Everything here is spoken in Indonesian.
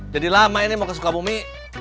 jadi lama ini mau kesuka bumi